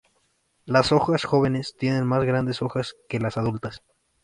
Las hojas jóvenes tienen más grandes hojas que las adultas.